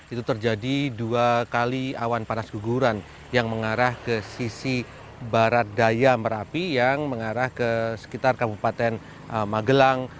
itu terjadi dua kali awan panas guguran yang mengarah ke sisi barat daya merapi yang mengarah ke sekitar kabupaten magelang